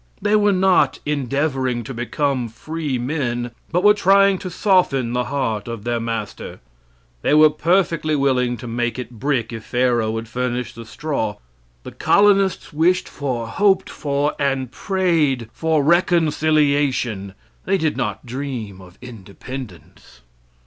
They were not endeavoring to become free men, but were trying to soften the heart of their master. They were perfectly willing to make brick if Pharaoh would furnish the straw. The colonists wished for, hoped for, and prayed for reconciliation. They did not dream of independence.